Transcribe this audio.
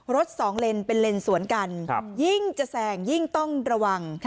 สองเลนเป็นเลนสวนกันยิ่งจะแซงยิ่งต้องระวัง